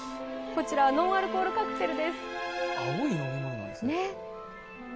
こちらはノンアルコールカクテルです。